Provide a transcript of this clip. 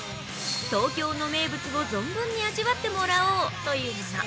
東京の名物をゾン物に味わってもらおうというもの。